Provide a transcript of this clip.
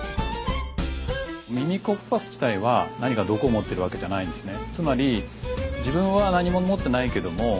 ミミックオクトパス自体は何か毒を持っているわけじゃないんですね。